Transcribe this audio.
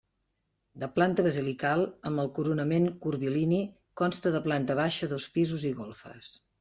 De planta basilical amb el coronament curvilini, consta de planta baixa, dos pisos i golfes.